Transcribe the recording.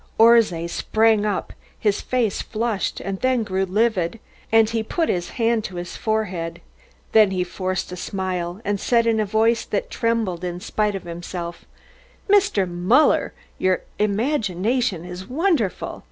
Orszay sprang up. His face flushed and then grew livid, and he put his hand to his forehead. Then he forced a smile and said in a voice that trembled in spite of himself: "Mr. Muller, your imagination is wonderful.